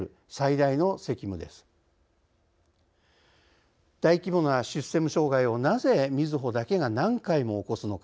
大規模なシステム障害をなぜみずほだけが何回も起こすのか。